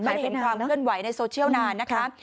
เห็นความเคลื่อนไหวในโซเชียลนานนะคะ